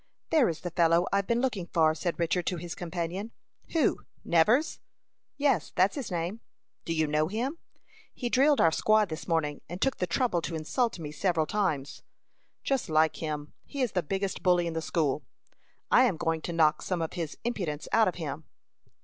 "There is the fellow I've been looking for," said Richard to his companion. "Who Nevers?" "Yes, that's his name." "Do you know him?" "He drilled our squad this morning, and took the trouble to insult me several times." "Just like him. He is the biggest bully in the school." "I am going to knock some of his impudence out of him."